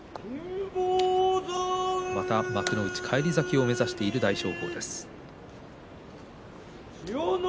幕内返り咲きを目指している大翔鵬です。